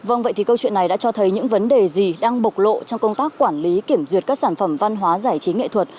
vâng vậy thì câu chuyện này đã cho thấy những vấn đề gì đang bộc lộ trong công tác quản lý kiểm duyệt các sản phẩm văn hóa giải trí nghệ thuật